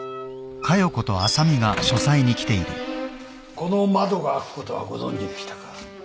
この窓が開くことはご存じでしたか？